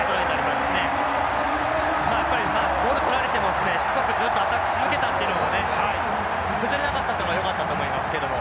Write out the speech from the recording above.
まあやっぱりボール捕られてもですねしつこくずっとアタックし続けたっていうのがね崩れなかったってのがよかったと思いますけども。